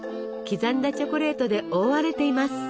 刻んだチョコレートで覆われています。